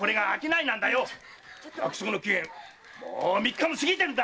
約束の期限もう三日も過ぎてるんだ！